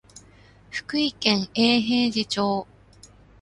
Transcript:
福井県永平寺町